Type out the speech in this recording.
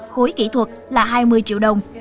khối kỹ thuật là hai mươi triệu đồng